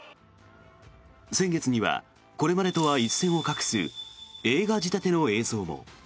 先月にはこれまでとは一線を画す映画仕立ての映像も。